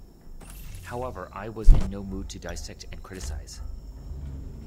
However, I was in no mood to dissect and criticize.